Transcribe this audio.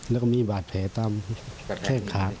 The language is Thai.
แล้วก็มีบาดแผลตามแข้งขา